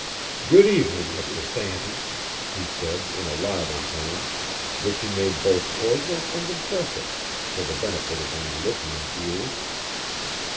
"Good evening, Mr. Stanton," he said, in a louder tone, which he made both cordial and impressive for the benefit of any listening ears.